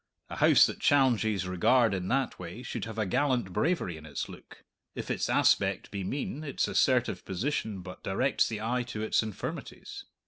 A house that challenges regard in that way should have a gallant bravery in its look; if its aspect be mean, its assertive position but directs the eye to its infirmities.